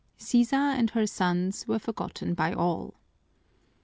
Sisa and her sons were forgotten by all.